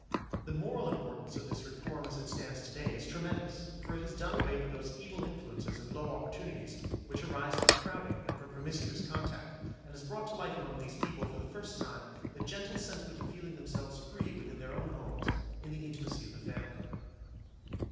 The moral importance of this reform as it stands to day is tremendous, for it has done away with those evil influences and low opportunities which arise from crowding and from promiscuous contact, and has brought to life among these people, for the first time, the gentle sentiment of feeling themselves free within their own homes, in the intimacy of the family.